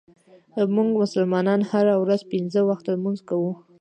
مونږ مسلمانان هره ورځ پنځه وخته لمونځ کوو.